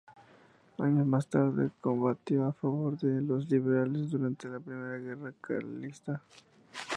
Años más tarde combatió a favor de los liberales durante la Primera Guerra Carlista.